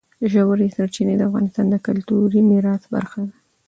ژورې سرچینې د افغانستان د کلتوري میراث برخه ده.